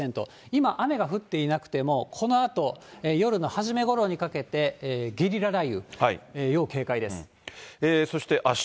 今雨が降っていなくても、このあと夜の初めごろにかけて、ゲリラ雷雨、要警戒です。